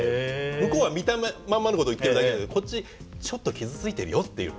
向こうは見た目まんまのことを言っているだけだけどこっちちょっと傷ついてるよっていう。